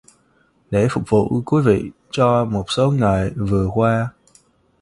Để phục vụ quý vị cho một số ngày vừa qua